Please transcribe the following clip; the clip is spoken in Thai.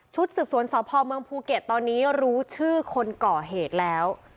ชุดศึกษวนสภอเมืองภูเกษตอนนี้รู้ชื่อคนก่อเหตุแล้ว